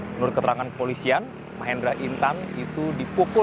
menurut keterangan kepolisian mahendra intan itu dipukul